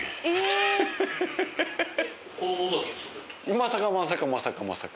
まさかまさかまさかまさか。